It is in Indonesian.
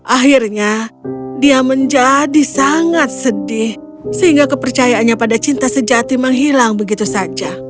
akhirnya dia menjadi sangat sedih sehingga kepercayaannya pada cinta sejati menghilang begitu saja